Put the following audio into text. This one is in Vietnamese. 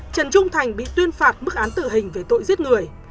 trần trung thành bị tuyên phạt mức án tử hình về tội giết người